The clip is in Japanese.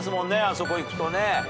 あそこ行くとね。